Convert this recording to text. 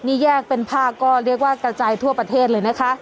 นี่แยกเป็นภาคก็เรียกว่ากระจายทั่วประเทศเลยนะคะ